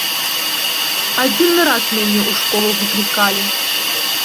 Адзіны раз мяне ў школу выклікалі.